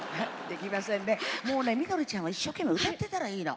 もうねみどりちゃんは一生懸命歌ってたらいいの。